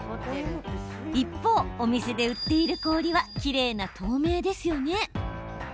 一方、お店で売っている氷はきれいな透明ですよね。